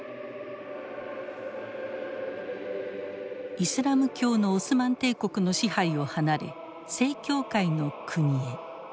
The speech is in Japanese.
イスラム教のオスマン帝国の支配を離れ正教会の国へ。